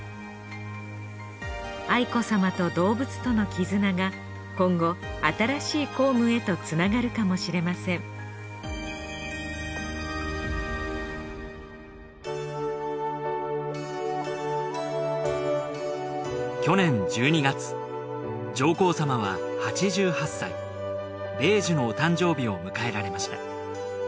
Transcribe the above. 愛子さまと動物との絆が今後新しい公務へとつながるかもしれません去年１２月上皇さまは８８歳米寿のお誕生日を迎えられました。